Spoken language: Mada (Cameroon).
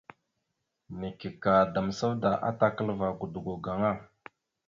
Neke ka damsavda atakalva godogo gaŋa.